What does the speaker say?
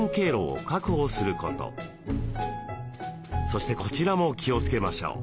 そしてこちらも気をつけましょう。